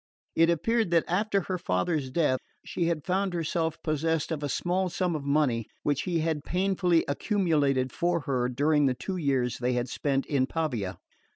It appeared that after her father's death she had found herself possessed of a small sum of money which he had painfully accumulated for her during the two years they had spent in Pavia.